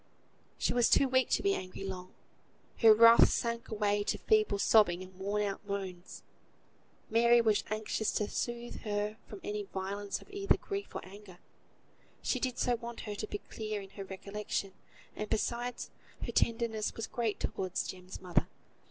She was too weak to be angry long; her wrath sank away to feeble sobbing and worn out moans. Mary was most anxious to soothe her from any violence of either grief or anger; she did so want her to be clear in her recollection; and, besides, her tenderness was great towards Jem's mother.